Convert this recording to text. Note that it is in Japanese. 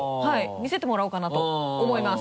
見せてもらおうかなと思います。